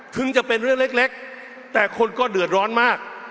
จะเป็นเรื่องเล็กแต่คนก็เดือดร้อนมาก